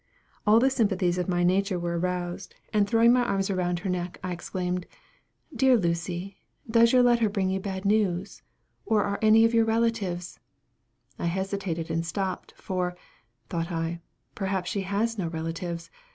All the sympathies of my nature were aroused, and throwing my arms around her neck, I exclaimed, "Dear Lucy, does your letter bring you bad news, or are any of your relatives" I hesitated and stopped; for, thought I, "perhaps she has no relatives.